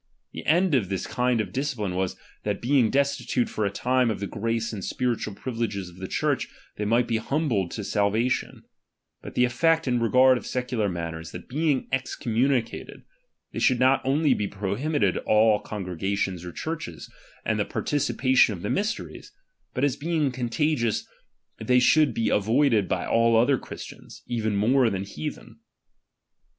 The end of "this kind of discipline was, that being destitute for s. time of the grace and spiritual pri\'ileges of the Church, they might be humbled to salvation; but "the effect in regard of secular matters, that being excommunicated, they should not only be prohi "bited all congregations or churches, and the parti cipation of the mysteries, but as being contagious they should be avoided by all other Christians, even :inore than heathen.